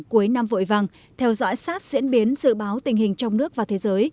cuối năm vội vàng theo dõi sát diễn biến dự báo tình hình trong nước và thế giới